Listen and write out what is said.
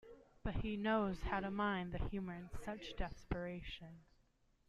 But he knows how to mine the humor in such desperation.